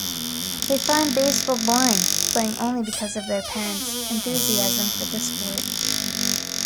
They find baseball boring, playing only because of their parents' enthusiasm for the sport.